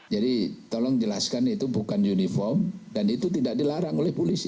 jadi tolong jelaskan itu bukan uniform dan itu tidak dilarang oleh polisi